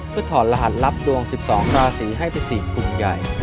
เพื่อถอดรหัสลับดวง๑๒ราศีให้เป็น๔กลุ่มใหญ่